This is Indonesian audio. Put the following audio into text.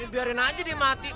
biarin aja deh mati